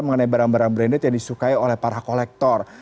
mengenai barang barang branded yang disukai oleh para kolektor